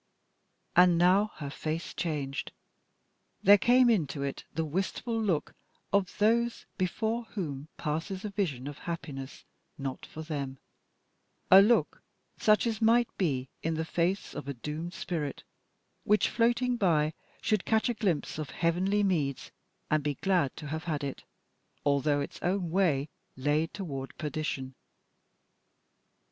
And now her face changed. There came into it the wistful look of those before whom passes a vision of happiness not for them, a look such as might be in the face of a doomed spirit which, floating by, should catch a glimpse of heavenly meads, and be glad to have had it, although its own way lay toward perdition.